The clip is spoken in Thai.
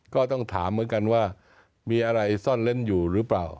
ก็ต้องถามเหมือนกันว่ามีอะไรซ่อนเล่นอยู่หรือเปล่า